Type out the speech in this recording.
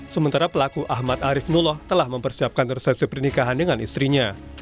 sementara pelaku ahmad arief nuloh telah mempersiapkan resepsi pernikahan dengan istrinya